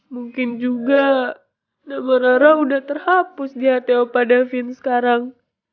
mungkin juga dago rara udah terhapus di ht opa davin sekarang